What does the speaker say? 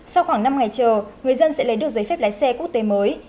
sau khoảng năm ngày chờ người dân sẽ lấy được giấy phép lái xe quốc tế mới